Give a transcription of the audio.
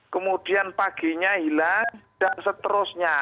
kemudian paginya hilang dan seterusnya